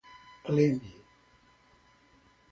Leme